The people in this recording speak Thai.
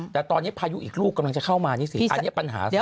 แต่ตอนนี้พายุอีกลูกกำลังจะเข้ามานี่สิ